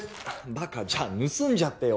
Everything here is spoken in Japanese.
バカじゃ盗んじゃってよ